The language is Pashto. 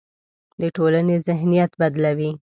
د ټولنې ذهنیت بدلوي.